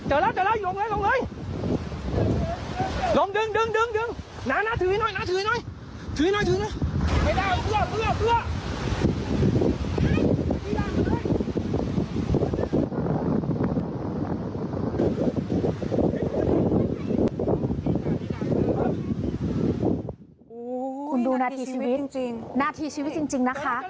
โอ้โหหน้าทีชีวิตจริงนะคะ